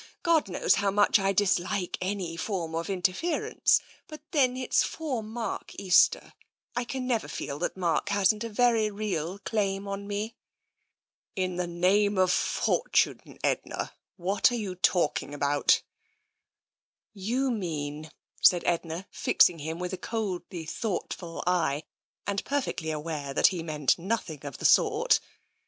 God knows how much I dislike any form of interference, but then it's for Mark Easter — I can never feel that Mark hasn't a very real claim on me." In the name of fortune, Edna, what are you talk ing about? "" You mean," said Edna, fixing him with a coldly thoughtful eye, and perfectly aware that he meant nothing of the sort.